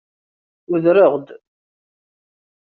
Udreɣ-d.